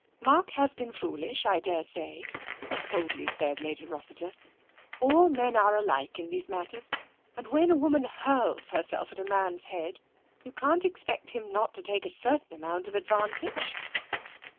"Mark has been foolish, I daresay," coldly said Lady Rossiter. " All men are alike in these matters, and when a woman hurls herself at a man's head you can't expect him not to take a certain amount of ad vantage."